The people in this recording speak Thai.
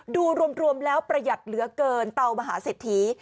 ดูรวมแล้วประหยัดเหลือเกินเตามหาเศรษฐี